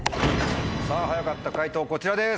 さぁ早かった解答こちらです。